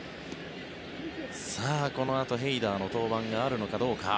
このあとヘイダーの登板があるのかどうか。